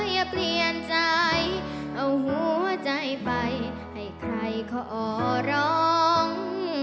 อย่าเปลี่ยนใจเอาหัวใจไปให้ใครขอร้อง